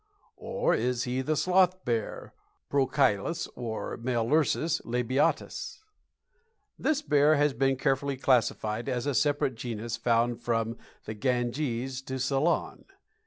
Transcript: Or is he the Sloth Bear, Prochilous (or Melursus) labiatus? This bear has been carefully classified as a separate genus found from the Ganges to Ceylon.